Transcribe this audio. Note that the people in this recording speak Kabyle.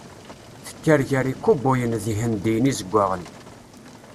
Tekker gar ikubuyen d Yihendiyen Izeggaɣen.